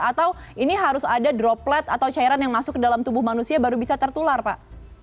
atau ini harus ada droplet atau cairan yang masuk ke dalam tubuh manusia baru bisa tertular pak